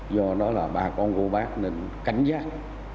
do đó là bà con của bác nên cảnh giác